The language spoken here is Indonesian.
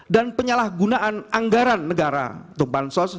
dan penyalahgunaan anggaran negara